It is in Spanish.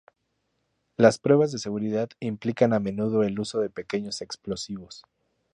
Las pruebas de seguridad implican a menudo el uso de pequeños explosivos.